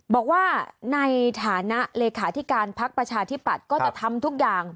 บอกว่าในฐานะเลขาธิการพักประชาธิปัตย์ก็จะทำทุกอย่าง